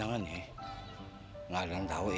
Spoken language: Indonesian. eh keren tuh